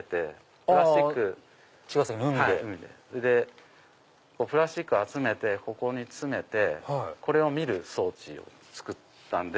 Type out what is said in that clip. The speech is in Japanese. それでプラスチック集めてここに詰めてこれを見る装置を作ったんで。